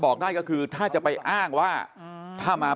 ผมก็กล้ายืนยันว่าไม่มีลองฟังพี่หนุ่มชี้แจงดูนะฮะ